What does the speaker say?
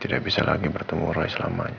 tidak bisa lagi bertemu orang selamanya